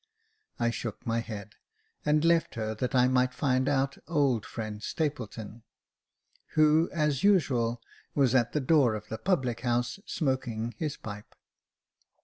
I shook my head, and left her that I might find out old friend Stapleton, who, as usual, was at the door of the public house, smoking his pipe.